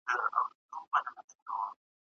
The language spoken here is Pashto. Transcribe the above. ¬ جولا سوی لا نه ئې، بيا نېچې غلا کوې.